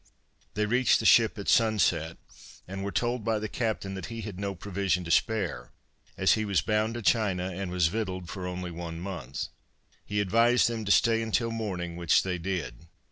They reached the ship at sunset, and were told by the captain that he had no provision to spare as he was bound to China and was victualled for only one month. He advised them to stay until morning, which they did.